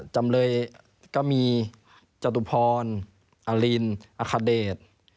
จำเลยก็มีจตุพรอลินอคเดช